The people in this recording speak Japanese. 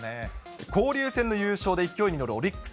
交流戦の優勝で勢いに乗るオリックス。